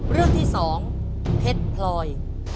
เรื่องที่๒เพชรพลอย